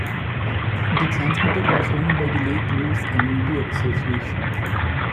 The transmitter was owned by the Lake Louise Community Association.